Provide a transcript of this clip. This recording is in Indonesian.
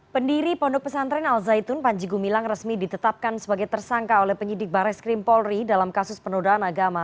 pendiri pondok pesantren al zaitun panji gumilang resmi ditetapkan sebagai tersangka oleh penyidik bares krim polri dalam kasus penodaan agama